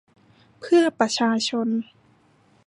เพื่อประชาชน